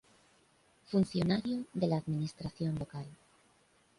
Funcionario de la Administración Local.